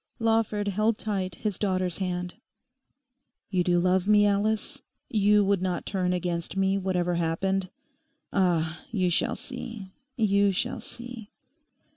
Lawford held tight his daughter's hand. 'You do love me, Alice? You would not turn against me, whatever happened? Ah, you shall see, you shall see.